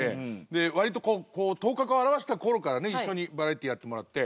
割とこう頭角を現した頃からね一緒にバラエティーやってもらって。